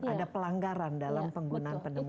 ada pelanggaran dalam penggunaan penemuan